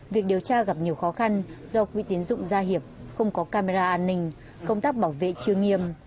việc điều tra gặp nhiều khó khăn do quỹ tiến dụng gia hiệp không có camera an ninh công tác bảo vệ chưa nghiêm